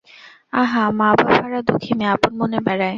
আহা, মা-বাপ-হারা দুঃখী মেয়ে, আপন মনে বেড়ায়!